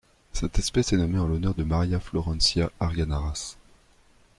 Cette espèce est nommée en l'honneur de María Florencia Argañarás.